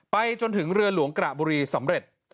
ไปจนถึงเรือหลวงกระบุรีสำเร็จ